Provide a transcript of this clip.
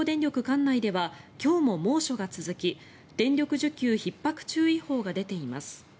管内では今日も猛暑が続き電力需給ひっ迫注意報が出ています。